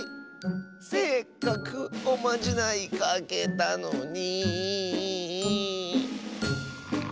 せっかくおまじないかけたのに。